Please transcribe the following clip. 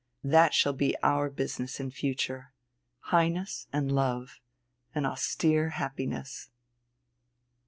That shall be our business in future: Highness and Love an austere happiness."